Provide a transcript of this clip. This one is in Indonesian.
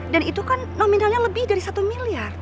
dan itu kan nominalnya lebih dari satu miliar